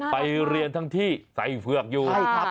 ไปเรียนทั้งที่ใส่เผือกอยู่